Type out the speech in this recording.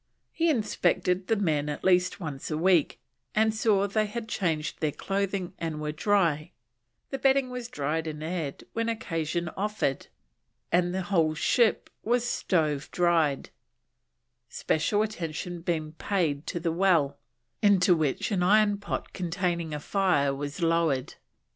He inspected the men at least once a week, and saw they had changed their clothing and were dry; the bedding was dried and aired when occasion offered, and the whole ship was stove dried; special attention being paid to the well, into which an iron pot containing a fire was lowered.